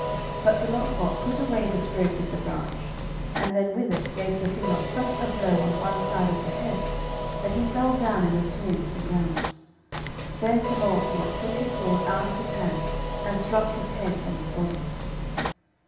But Sir Launcelot put away the stroke with the branch, and then with it gave Sir Phelot such a blow on one side of the head that he fell down in a swoon to the ground. Then Sir Launcelot took his sword out of his hand and struck his head from his body.